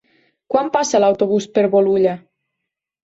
Quan passa l'autobús per Bolulla?